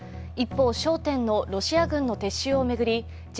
一方、焦点のロシア軍の撤収を巡り